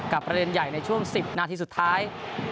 ประเด็นใหญ่ในช่วง๑๐นาทีสุดท้าย